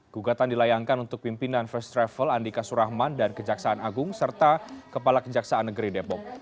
gugatan dilayangkan untuk pimpinan first travel andika surahman dan kejaksaan agung serta kepala kejaksaan negeri depok